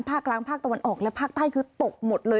ภาคกลางภาคตะวันออกและภาคใต้คือตกหมดเลย